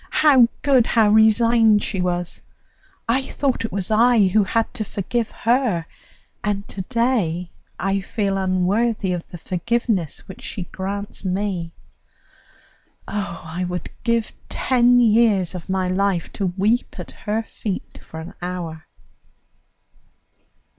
how good, how resigned she was! I thought it was I who had to forgive her, and to day I feel unworthy of the forgiveness which she grants me. Oh, I would give ten years of my life to weep at her feet for an hour!"